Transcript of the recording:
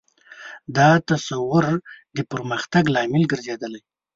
دا تصور د پرمختګ لامل ګرځېدلی.